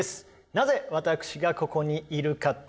なぜ私がここにいるかって？